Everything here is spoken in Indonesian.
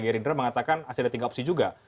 gerindra mengatakan masih ada tiga opsi juga